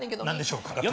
何でしょうか？